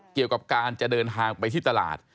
เกี่ยวกับการจะเดินทางไปที่ตลาด